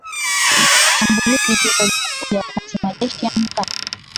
shambulizi hilo limekuja wakati majeshi ya muungano